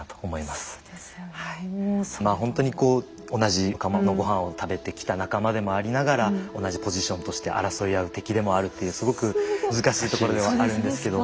まあほんとにこう同じ釜のごはんを食べてきた仲間でもありながら同じポジションとして争い合う敵でもあるっていうすごく難しいところではあるんですけど。